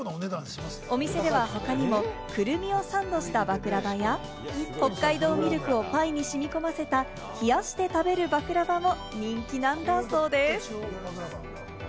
お店では他にも、くるみをサンドしたバクラヴァや、北海道ミルクをパイにしみこませた、冷やして食べるバクラヴァも人気なんだそうです。